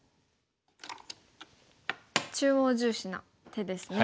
中央重視な手ですね。